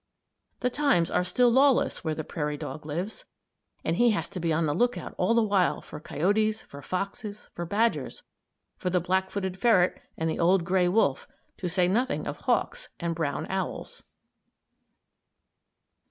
The times are still lawless where the prairie dog lives, and he has to be on the lookout all the while for coyotes, for foxes, for badgers, for the black footed ferret and the old gray wolf; to say nothing of hawks and brown owls.